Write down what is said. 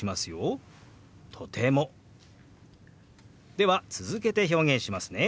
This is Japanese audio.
では続けて表現しますね。